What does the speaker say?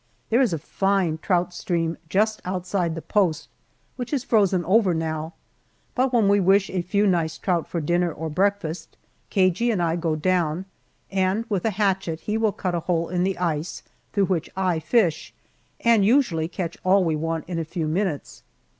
There is a fine trout stream just outside the post which is frozen over now, but when we wish a few nice trout for dinner or breakfast. Cagey and I go down, and with a hatchet he will cut a hole in the ice through which I fish, and usually catch all we want in a few minutes.